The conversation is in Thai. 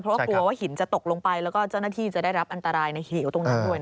เพราะว่ากลัวว่าหินจะตกลงไปแล้วก็เจ้าหน้าที่จะได้รับอันตรายในเหวตรงนั้นด้วย